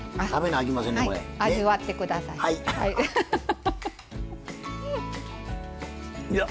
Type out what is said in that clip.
味わってください。